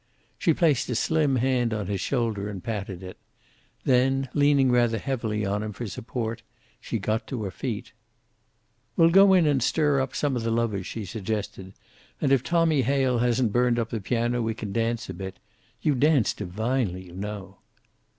She placed a slim hand on his shoulder and patted it. Then, leaning rather heavily on him for support, she got to her feet. "We'll go in and stir up some of the lovers," she suggested. "And if Tommy Hale hasn't burned up the piano we can dance a bit. You dance divinely, you know."